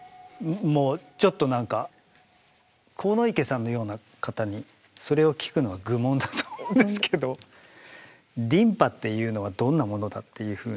もうちょっとなんか鴻池さんのような方にそれを聞くのは愚問だと思うんですけど琳派っていうのはどんなものだっていうふうに？